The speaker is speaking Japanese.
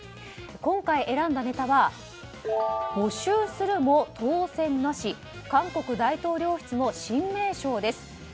今回選んだネタは募集するも当選なし韓国大統領室の新名称です。